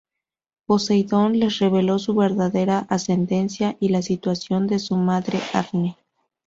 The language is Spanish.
Poseidón les reveló su verdadera ascendencia y la situación de su madre Arne.